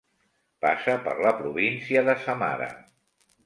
Passa per la província de Samara.